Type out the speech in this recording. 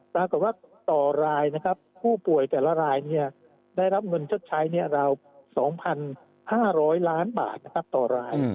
ปรากฏว่าต่อรายนะครับผู้ป่วยแต่ละรายได้รับเงินชดใช้ราว๒๕๐๐ล้านบาทต่อราย